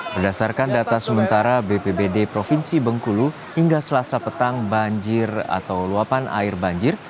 berdasarkan data sementara bpbd provinsi bengkulu hingga selasa petang banjir atau luapan air banjir